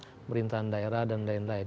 pemerintahan daerah dan lain lain